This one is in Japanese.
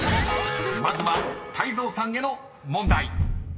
［まずは泰造さんへの問題］